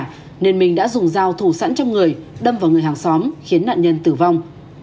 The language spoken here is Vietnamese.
nên minh đã dùng dao thủ sẵn trong người đâm vào người hàng xóm khiến nạn nhân tử vong